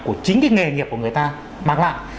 của chính cái nghề nghiệp của người ta mang lại